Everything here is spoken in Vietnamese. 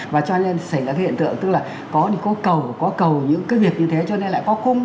và cho nên xảy ra cái hiện tượng tức là có cầu có cầu những cái việc như thế cho nên lại có cung